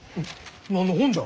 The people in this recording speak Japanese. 何の本じゃ？